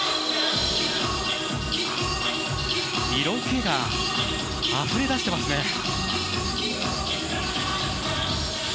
色気があふれ出していますね。